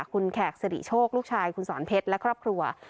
คุณแขกสิริโชคลูกชายคุณสอนเพชรและครอบครัว